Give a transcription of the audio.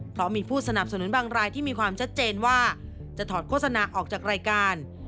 เพราะมีผู้สนับสนุนบางรายที่มีความชัดเจนว่าจะถอดโฆษณาออกจากรายการ